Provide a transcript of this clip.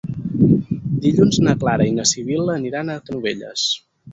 Dilluns na Clara i na Sibil·la aniran a Canovelles.